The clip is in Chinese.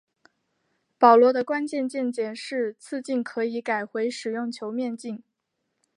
保罗的关键见解是次镜可以改回使用球面镜。